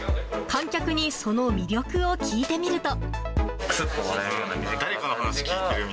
観客にその魅力を聞いてみると。